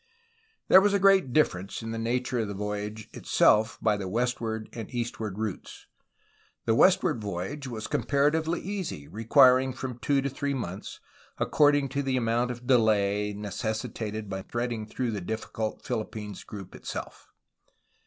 There was a great difference in the nature of the voyage itself by the westward and the eastward routes. The west ward voyage was comparatively easy, requiring from two to three months, according to the amount of delay necessi tated in threading the difficult Philippines group itself.